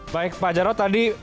baik pak jarot tadi